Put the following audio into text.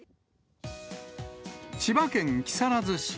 千葉県木更津市。